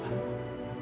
tidak ker sooner